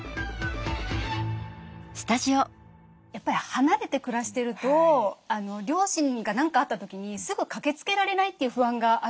やっぱり離れて暮らしてると両親が何かあった時にすぐ駆けつけられないという不安があるじゃないですか。